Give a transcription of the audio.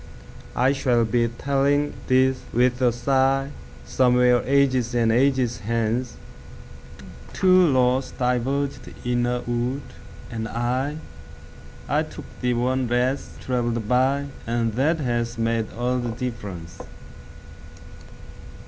I shall be telling this with a sighSomewhere ages and ages hence:Two roads diverged in a wood, and I—I took the one less traveled by, And that has made all the difference.